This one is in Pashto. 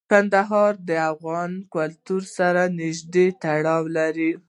کندهار د افغان کلتور سره نږدې تړاو لري.